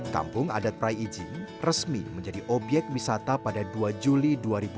kampung adat prai ijin resmi menjadi obyek wisata pada dua juli dua ribu dua puluh